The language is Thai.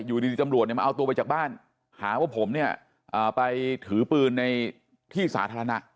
อยู่ดีตำรวจเนี่ยมาเอาตัวไปจากบ้านหาว่าผมเนี่ยไปถือปืนในที่สาธารณะ